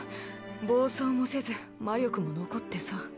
暴走もせず魔力も残ってさ。